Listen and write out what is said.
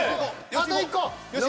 あと１個。